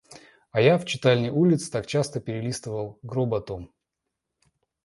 А я — в читальне улиц — так часто перелистывал гроба том.